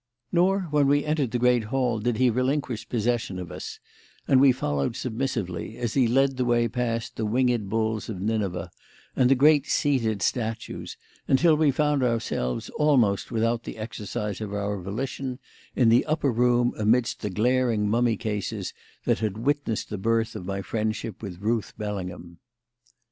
Nor, when we entered the great hall, did he relinquish possession of us, and we followed submissively, as he led the way past the winged bulls of Nineveh and the great seated statues, until we found ourselves, almost without the exercise of our volition, in the upper room amidst the glaring mummy cases that had witnessed the birth of my friendship with Ruth Bellingham.